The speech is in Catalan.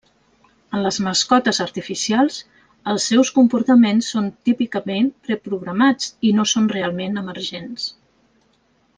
En les mascotes artificials, els seus comportaments són típicament preprogramats i no són realment emergents.